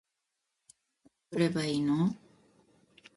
何個送ればいいの